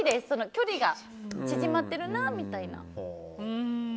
距離が縮まってるなみたいな。